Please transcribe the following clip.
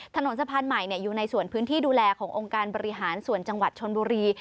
ถนนสะพานใหม่อยู่ในส่วนพื้นที่ดูแลขององค์การบริหารส่วนจังหวัดชนบุรี